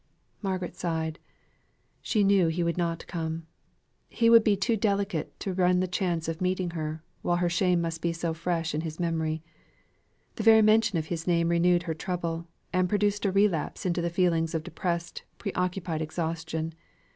Margaret sighed. She knew he would not come. He would be too delicate to run the chance of meeting her, while her shame must be so fresh in his memory. The very mention of his name renewed her trouble, and produced a relapse into the feeling of depressed, pre occupied exhaustion.